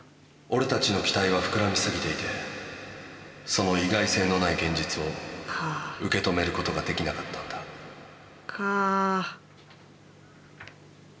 おれたちの期待は膨らみすぎていてその意外性のない現実を受け止めることができなかったんだか。